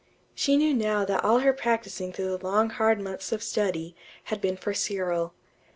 She knew now that all her practising through the long hard months of study, had been for Cyril.